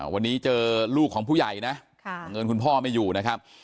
วันนี้เจอลูกของผู้ใหญ่นะบังเอิญคุณพ่อไม่อยู่นะครับ